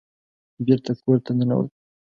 بېرته کور ته ننوت.